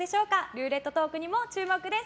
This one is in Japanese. ルーレットトークにも注目です。